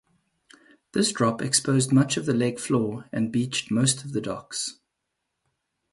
This drop exposed much of the lake floor and beached most of the docks.